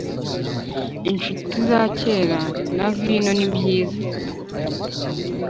inshuti za kera na vino nibyiza